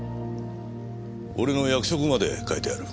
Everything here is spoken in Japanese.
俺の役職まで書いてある。